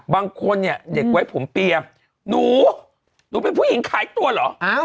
บางคนเนี่ยเด็กไว้ผมเปียมหนูหนูเป็นผู้หญิงขายตัวเหรอ